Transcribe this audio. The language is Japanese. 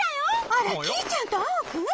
あらキイちゃんとアオくん？